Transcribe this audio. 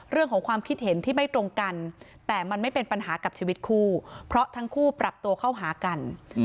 เรื่องของความคิดเห็นที่ไม่ตรงกันแต่มันไม่เป็นปัญหากับชีวิตคู่เพราะทั้งคู่ปรับตัวเข้าหากัน